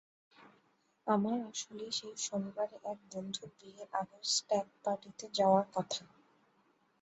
আমার আসলে সেই শনিবারে এক বন্ধুর বিয়ের আগের স্ট্যাগ পার্টিতে যাওয়ার কথা।